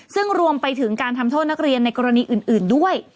ซึ่งรวมไปถึงการทำโทษนักเรียนในกรณีอื่นด้วย